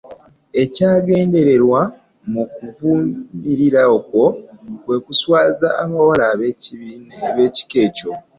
Ekyagendererwa mu kuwumiriza okwo, kwe kuswaza abawala ab’ekika ng’ekyo.